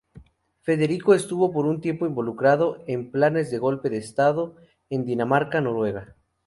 Federico estuvo por un tiempo involucrado en planes de golpe de Estado en Dinamarca-Noruega.